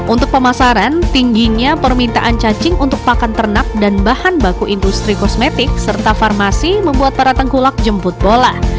untuk pemasaran tingginya permintaan cacing untuk pakan ternak dan bahan baku industri kosmetik serta farmasi membuat para tengkulak jemput bola